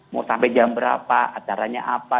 mau sampai jam berapa acaranya apa